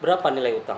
berapa nilai utang